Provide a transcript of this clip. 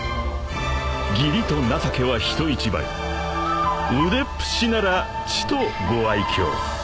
［義理と情けは人一倍腕っ節ならちとご愛嬌］